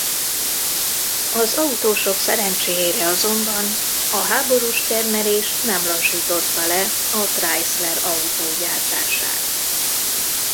Az autósok szerencséjére azonban a háborús termelés nem lassította le a Chrysler autógyártását.